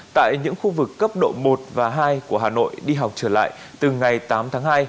tại những khu vực cấp độ một và hai của hà nội đi học trở lại từ ngày tám tháng hai